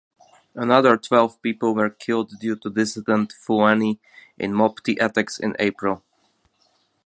Another twelve people were killed due to dissident Fulani in Mopti attacks in April.